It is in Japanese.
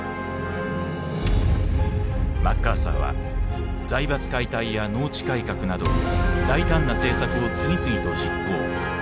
マッカーサーは財閥解体や農地改革など大胆な政策を次々と実行。